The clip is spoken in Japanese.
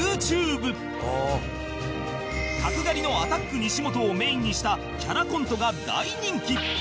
角刈りのアタック西本をメインにしたキャラコントが大人気！